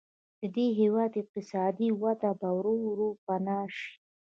د دې هېواد اقتصادي وده به ورو ورو پناه شي.